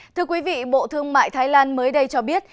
thưa quý vị bộ thương mại thái lan mới đây cho biết